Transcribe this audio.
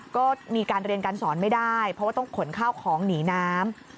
ก็มีการเรียนการสอนไม่ได้เพราะว่าต้องขนข้าวของหนีน้ำ